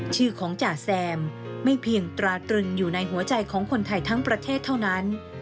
ชื่อของจ่าแซมไม่เพียงตราตรึงอยู่ในหัวใจของคนไทยทั้งประเทศเท่านั้น